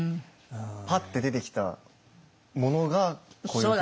パッて出てきたものがこういうふうに？